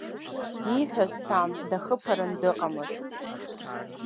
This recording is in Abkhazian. Ииҳәаз ҳәан, дахыԥаран дыҟамызт.